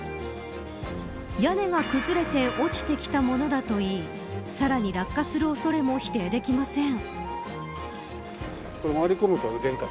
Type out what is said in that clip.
屋根が崩れて落ちてきたものだといいさらに落下する恐れも否定できません。